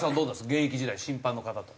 現役時代審判の方と。